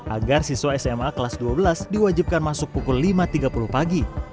agar siswa sma kelas dua belas diwajibkan masuk pukul lima tiga puluh pagi